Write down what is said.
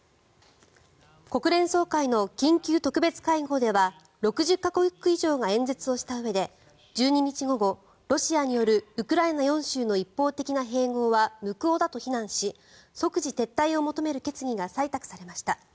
国連総会の緊急特別会合では６０か国以上が演説をしたうえで１２日午後、ロシアによるウクライナ４州の一方的な併合は無効だと非難し即時撤退を求める決議が採択されました。